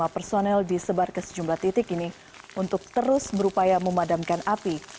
dua ratus dua puluh lima personel disebar ke sejumlah titik ini untuk terus berupaya memadamkan api